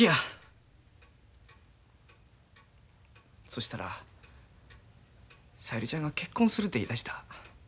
そしたら小百合ちゃんが結婚するて言いだした。